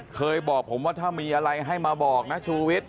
เคยบอกผมว่าถ้ามีอะไรให้มาบอกนะชูวิทย